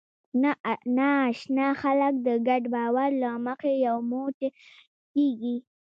ناآشنا خلک د ګډ باور له مخې یو موټی کېږي.